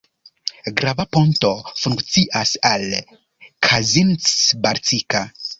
Grava ponto funkcias al Kazincbarcika.